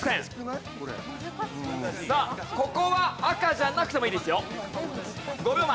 さあここは赤じゃなくてもいいですよ。５秒前。